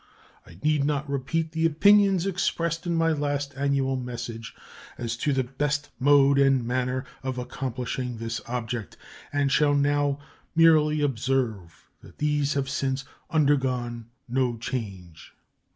I need not repeat the opinions expressed in my last annual message as to the best mode and manner of accomplishing this object, and shall now merely observe that these have since undergone no change.